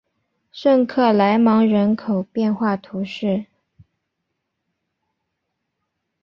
圣克莱芒人口变化图示